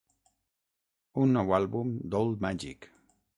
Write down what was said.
Un nou àlbum d'Old Magic.